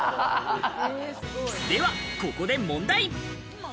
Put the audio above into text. では、ここで問題。